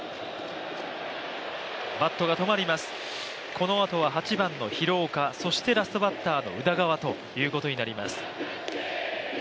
このあとは８番の廣岡そしてラストバッターの宇田川となります。